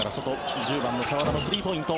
１０番の澤田のスリーポイント。